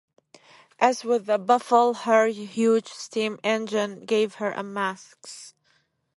As with the "Buffel" her huge steam engines gave her a max.